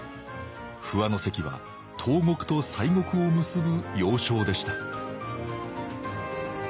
不破関は東国と西国を結ぶ要衝でした